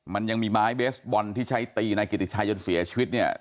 มันยังมีไม้เบสบอลที่ใช้ตีนายกิติชัยจนเสียชีวิตเนี่ย